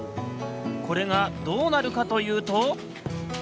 これがどうなるかというと。